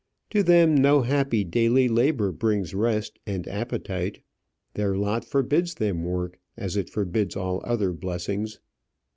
To them no happy daily labour brings rest and appetite; their lot forbids them work, as it forbids all other blessings.